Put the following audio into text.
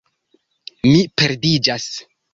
Mi perdiĝas.